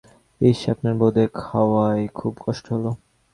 ইস, আপনার বোধহয় খাওয়ায় খুব কষ্ট হল।